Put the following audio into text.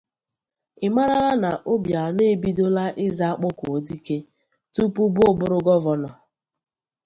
Ị mààrà na Obianọ ebidola ịza Akpọkuodike tupubọ bụrụ Gọvanọ?